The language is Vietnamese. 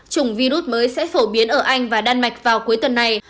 chủng virus mới sẽ phổ biến ở anh và đan mạch vào cuối tuần này